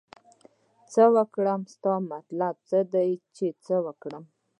څه وکړم ستا مطلب څه دی چې څه وکړم